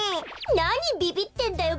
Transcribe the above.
なにビビってんだよ